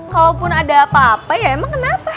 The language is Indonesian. kalaupun ada apa apa ya emang kenapa